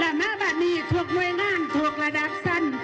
และมะปาดดีทวกโมยงานทวกระดับสั้น